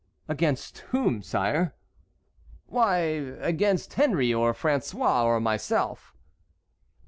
"Against whom, sire?" "Why, against Henry, or François, or myself."